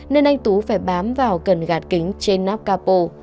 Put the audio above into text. nên anh tú phải bám vào cần gạt kính trên nắp capo